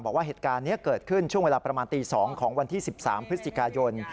บอกว่าเหตุการณ์นี้เกิดขึ้นช่วงเวลาประมาณตี๒ของวันที่๑๓พฤศจิกายน